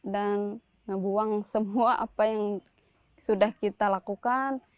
dan membuang semua apa yang sudah kita lakukan